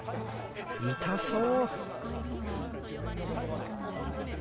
痛そう」。